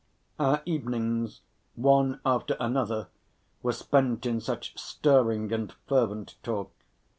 Our evenings, one after another, were spent in such stirring and fervent talk.